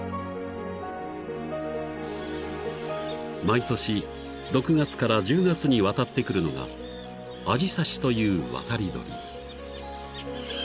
［毎年６月から１０月に渡ってくるのがアジサシという渡り鳥］